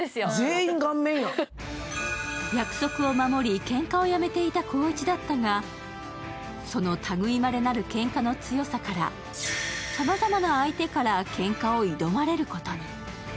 約束を守り、けんかをやめていた光一だったがそのたぐいまれなるけんかの強さから、さまざまな相手からけんかを挑まれることに。